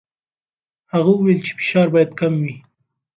هغه وویل چې فشار باید کم وي.